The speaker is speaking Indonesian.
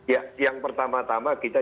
ya yang pertama tama kita